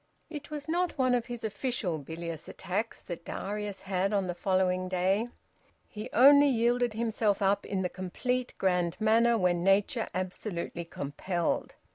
It was not one of his official bilious attacks that Darius had on the following day; he only yielded himself up in the complete grand manner when nature absolutely compelled.